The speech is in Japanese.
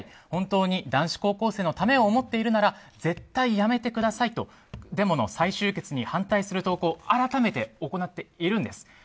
本当に男子高校生のためを思っているなら絶対やめてくださいとデモの再集結に反対する投稿を改めて行っているんです。